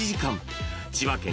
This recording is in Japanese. ［千葉県